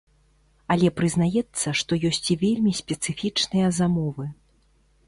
Але прызнаецца, што ёсць і вельмі спецыфічныя замовы.